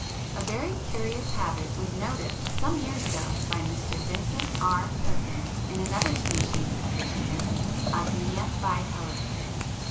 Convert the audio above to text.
A very curious habit was noticed some years ago by Mr. Vincent R. Perkins in another species of this genus (Osmia bicolor; pl.